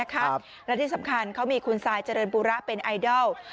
และที่สำคัญเขามีคุณซายเจริญปูระเป็นไอดอล